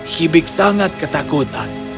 hibis sangat ketakutan